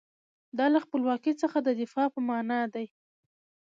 دا له خپلواکۍ څخه د دفاع په معنی دی.